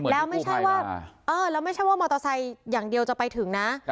แล้วไม่ใช่ว่ามอเตอร์ไซค์อย่างเดียวจะไปถึงนะ